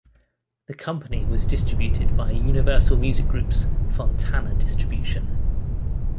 The company was distributed by Universal Music Group's Fontana Distribution.